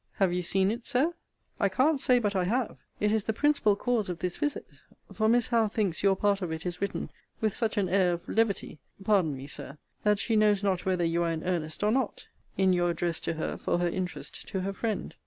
Have you seen it, Sir? I can't say but I have. It is the principal cause of this visit: for Miss Howe thinks your part of it is written with such an air of levity pardon me, Sir that she knows not whether you are in earnest or not, in your address to her for her interest to her friend.